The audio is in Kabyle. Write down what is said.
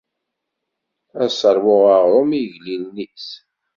Ad sseṛwuɣ aɣrum i yigellilen-is.